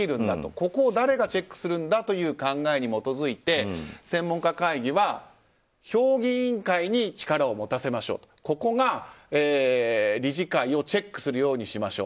ここを誰がチェックするんだという考えに基づいて専門家会議は評議員会に力を持たせましょうとここが理事会をチェックするようにしましょう。